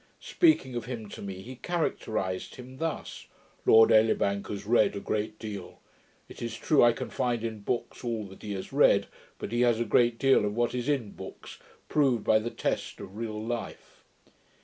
Speaking of him to me, he characterized him thus: 'Lord Elibank has read a great deal. It is true, I can find in books all that he has read; but he has a great deal of what is in books, proved by the test of real life.'